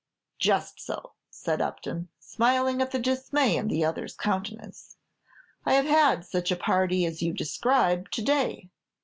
"Just so," said Upton, smiling at the dismay in the other's countenance; "I have had such a party as you describe to day.